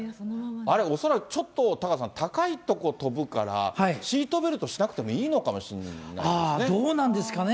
恐らくちょっと、タカさん、高いとこ飛ぶから、シートベルトしなくてもいいのかもしれないですね。どうなんですかね。